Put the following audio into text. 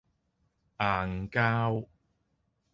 硬膠